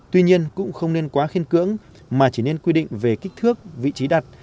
tuy nhiên cũng không nên quá khiên cưỡng mà chỉ nên quy định về kích thước vị trí đặt